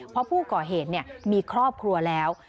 เพราะผู้ก่อเหตุมีครอบครัวแล้ว